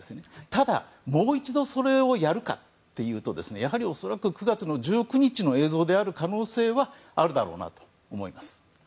ただ、もう一度それをやるかというとやはり恐らく、９月の１９日の映像である可能性はあるだろうなと思います。